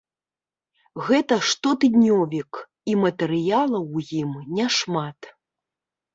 Гэта штотыднёвік, і матэрыялаў ў ім няшмат.